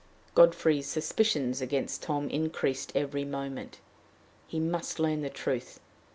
Godfrey's suspicions against Tom increased every moment. He must learn the truth.